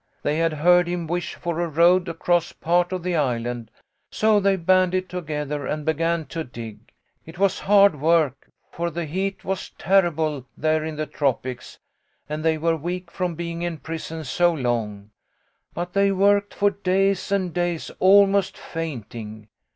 They had heard him wish for a road across part of the island, so they banded together and began to dig. It was hard work, for the heat was terrible there in the tropics, and they were weak from being in prison so long ; but they worked for days and days, almost fainting.